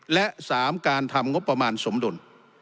และ๓การทำงบประมาณสมดุล